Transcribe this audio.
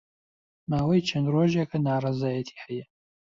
ماوەی چەند ڕۆژێکە ناڕەزایەتی ھەیە